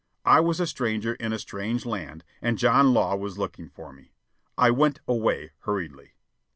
I was a stranger in a strange land, and John Law was looking for me. I went away hurriedly.